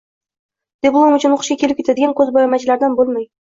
Diplom uchun oʻqishga kelib-ketadigan koʻzboʻyamachilardan boʻlmang.